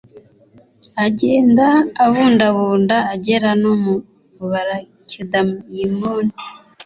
agenda abundabunda agera no mu balakedayimoni